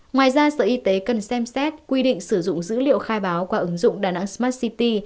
ngoài ra sở y tế cần xem xét quy định sử dụng dữ liệu khai báo qua ứng dụng đà nẵng smart city